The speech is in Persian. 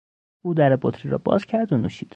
او در بطری را باز کرد و نوشید.